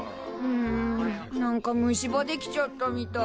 んなんか虫歯できちゃったみたい。